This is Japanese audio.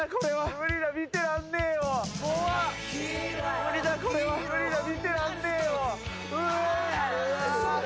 無理だ、これは見てらんねぇよ。